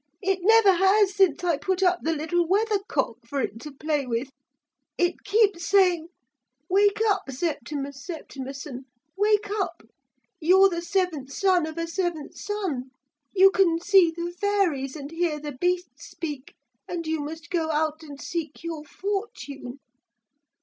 It never has since I put up the little weather cock for it to play with. It keeps saying, "Wake up, Septimus Septimusson, wake up, you're the seventh son of a seventh son. You can see the fairies and hear the beasts speak, and you must go out and seek your fortune."